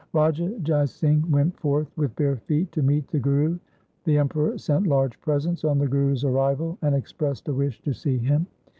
Raja Jai Singh went forth with bare feet to meet the Guru. The Emperor sent large presents on the Guru's arrival and expressed a wish to see him.